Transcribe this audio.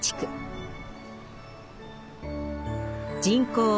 人口